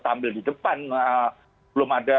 tampil di depan belum ada